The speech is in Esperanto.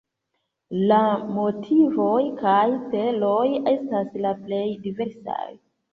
La motivoj kaj celoj estas la plej diversaj.